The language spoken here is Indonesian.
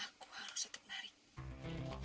aku harus tetap menarik